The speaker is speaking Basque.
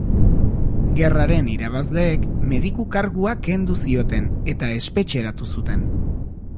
Gerraren irabazleek mediku kargua kendu zioten eta espetxeratu zuten.